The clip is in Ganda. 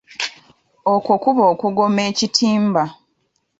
Okwo kuba okugoma ekitimba.